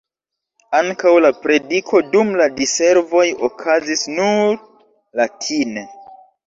Ankaŭ la prediko dum la diservoj okazis nur latine.